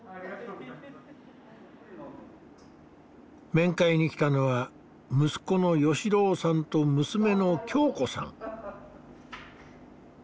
面会に来たのは息子の芳郎さんと娘の恭子さん。